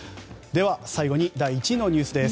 最後に第１位のニュースです。